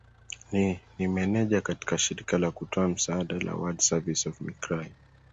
ni ni meneja katika shirika la kutoa msaada la ward service of micrai